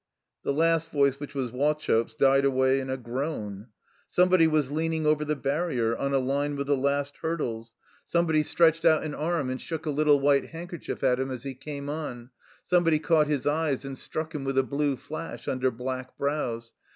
The last voice, which was Wauchope's, died away in a groan. Somebody was leaning over the barrier, on a line with the last hurdles. Somebody stretched out an 97 THE COMBINED MAZE ( arm and shook a little white handkerchief at him as he came on. Somebody caught his eyes and struck him with a blue flash under black brows.